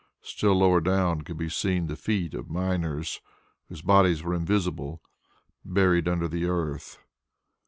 Still lower down could be seen the feet of miners whose bodies were invisible, buried under the earth.